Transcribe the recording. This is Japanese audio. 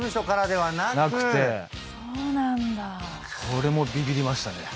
それもビビりましたね。